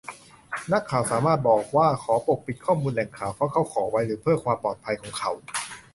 นักข่าวสามารถบอกว่า ขอปกปิดข้อมูลแหล่งข่าว เพราะเขาขอไว้หรือเพื่อความปลอดภัยของเขา